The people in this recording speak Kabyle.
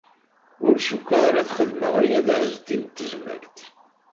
Ur cukkteɣ ara ad xedmeɣ aya d Ɛezdin n Tezmalt.